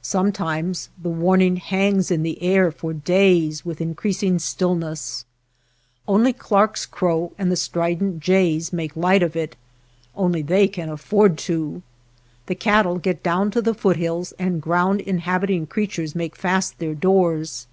Some times the warning hangs in the air for days ^ with increasing stillness. Only Clark's jJ crow and the strident jays make light of it; only they can afford to. The cattle get down to the foothills and ground inhabit ino^ creatures make fast their doors.